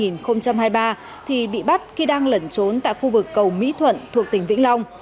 năm hai nghìn hai mươi ba thì bị bắt khi đang lẩn trốn tại khu vực cầu mỹ thuận thuộc tỉnh vĩnh long